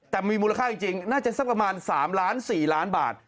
แต่มีมูลค่าจริงน่าจะสักประมาณ๓ล้าน๔ล้านบาท